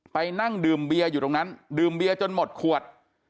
ไปนั่งดื่มเบียร์อยู่ตรงนั้นดื่มเบียร์จนหมดขวด